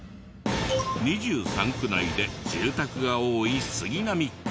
２３区内で住宅が多い杉並区。